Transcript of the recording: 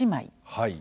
はい。